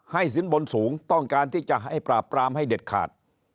สินบนสูงต้องการที่จะให้ปราบปรามให้เด็ดขาด